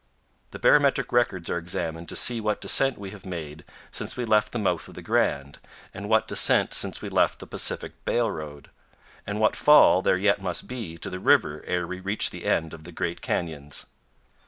The barometric records are examined to see what descent we have made since we left the mouth of the Grand, and what descent since we left the Pacific Railroad, and what fall there yet 218 CANYONS OF THE COLORADO. must be to the river ere we reach the end of the great canyons.